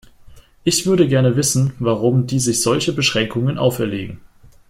Ich würde gerne wissen, warum die sich solche Beschränkungen auferlegen.